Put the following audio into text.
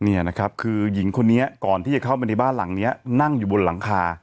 เนี่ยนะครับคือหญิงคนนี้ก่อนที่จะเข้ามาในบ้านหลังนี้นั่งอยู่บนหลังคา